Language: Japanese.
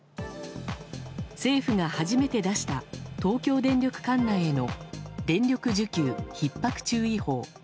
政府が初めて出した東京電力管内への電力需給ひっ迫注意報。